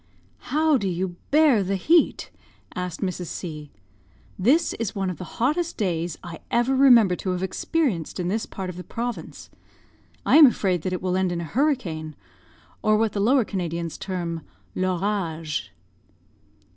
"How do you bear the heat?" asked Mrs. C . "This is one of the hottest days I ever remember to have experienced in this part of the province. I am afraid that it will end in a hurricane, or what the Lower Canadians term 'l'orage.'"